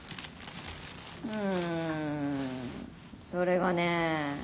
うんそれがね